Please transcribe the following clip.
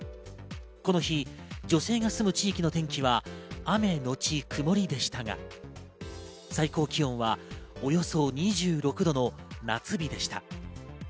この日、女性が住む地域の天気は雨のち曇りでしたが、最高気温はおよそ２６度の夏日でした。